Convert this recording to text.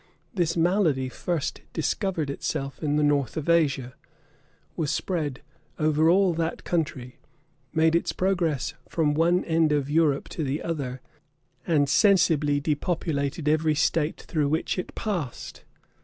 [*] This malady first discovered itself in the north of Asia, was spread over all that country, made its progress from one end of Europe to the other, and sensibly depopulated every state through which it passed.